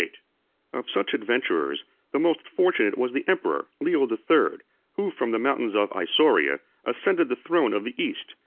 ] Of such adventurers, the most fortunate was the emperor Leo the Third, 18 who, from the mountains of Isauria, ascended the throne of the East.